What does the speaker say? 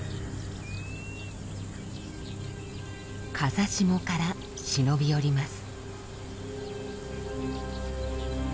風下から忍び寄ります。